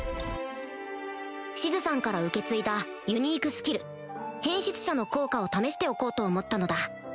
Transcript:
シズさんから受け継いだユニークスキル「変質者」の効果を試しておこうと思ったのだ